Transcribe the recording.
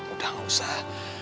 udah nggak usah